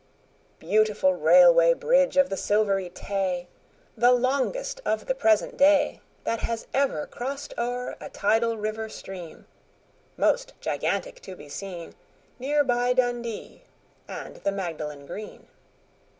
Beautiful Railway Bridge of the Silvery Tay! The longest of the present day That has ever crossed o'er a tidal river stream, Most gigantic to be seen, Near by Dundee and the Magdalen Green.